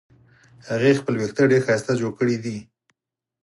هغې خپل وېښته ډېر ښایسته جوړ کړې دي